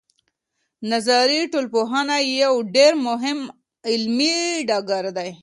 نظري ټولنپوهنه یو ډېر مهم علمي ډګر دی.